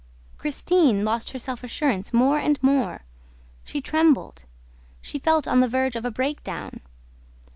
Christine lost her self assurance more and more. She trembled. She felt on the verge of a breakdown